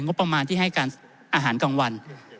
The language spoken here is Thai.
งบประมาณที่ให้การอาหารกลางวัน